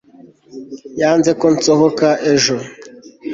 yanze ko nsohoka ejo